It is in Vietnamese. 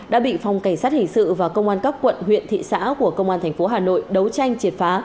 đã bị phòng cảnh sát hình sự và công an các quận huyện thị xã của công an tp hà nội đấu tranh triệt phá